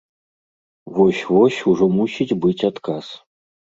Вось-вось ужо мусіць быць адказ.